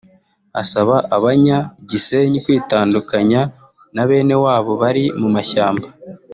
asaba Abanya-Gisenyi kwitandukanya na bene wabo bari mu mashyamba